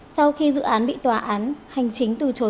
sau khi dự án bị tòa án hành chính từ chối